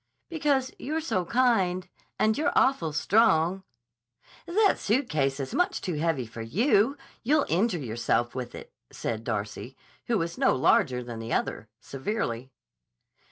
"Because you're so kind. And you're awful strong." "That suitcase is much too heavy for you. You'll injure yourself with it," said Darcy, who was no larger than the other, severely.